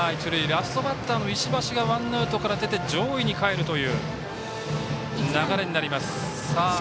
ラストバッターの石橋がワンアウトから出て上位にかえるという流れになります。